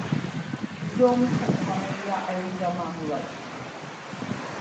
მუზეუმის ხელმძღვანელია ელზა მამულაშვილი.